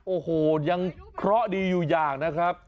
โอ้โหยังเคราะห์ดีอยู่อย่างนะครับ